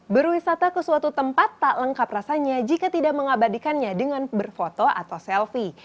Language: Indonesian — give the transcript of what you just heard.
berwisata ke suatu tempat tak lengkap rasanya jika tidak mengabadikannya dengan berfoto atau selfie